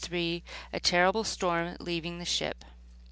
* *A Terrible Storm; Leaving the Ship.